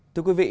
thưa quý vị